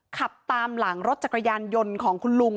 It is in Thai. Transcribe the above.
ขับตามหลังรถจักรยานยนต์ของคุณลุง